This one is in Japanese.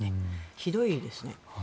ひどいですね。